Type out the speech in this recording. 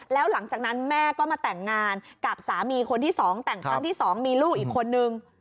แล้วหลังจากนั้นแม่ก็มาแต่งงานกับสามีคนที่๒แต่งครั้งที่๒มีลูกอีกคนนึง